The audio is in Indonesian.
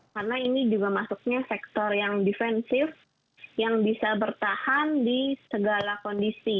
karena ini juga masuknya sektor yang defensif yang bisa bertahan di segala kondisi